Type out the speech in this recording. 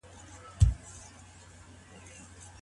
خصوصي پوهنتون سمدلاسه نه تطبیقیږي.